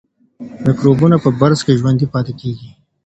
میکروبونه په برس کې ژوندي پاتې کېږي.